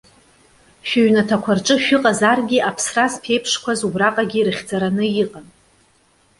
Шәыҩнаҭақәа рҿы шәыҟазаргьы аԥсра зԥеиԥшқәаз убраҟагьы ирыхьӡараны иҟан.